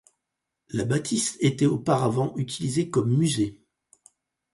La bâtisse était auparavant utilisée comme musée.